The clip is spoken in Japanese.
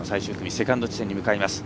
セカンド地点に向かいます。